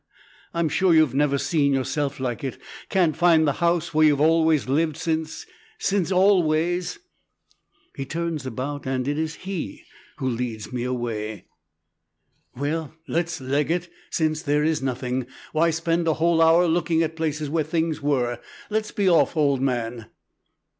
I'm sure you've never seen yourself like it can't find the house where you've always lived since since always " He turns about, and it is he who leads me away: "Well, let's leg it, since there is nothing. Why spend a whole hour looking at places where things were? Let's be off, old man."